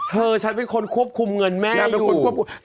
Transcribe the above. เธอฉันเป็นคนควบคุมเงินแม่อยู่